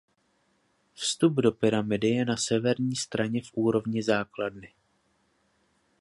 Vstup do pyramidy je na severní straně v úrovni základny.